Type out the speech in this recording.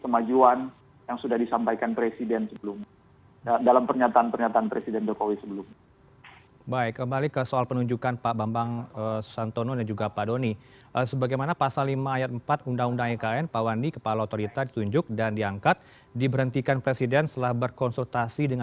masih kemajuan yang sudah disampaikan presiden sebelumnya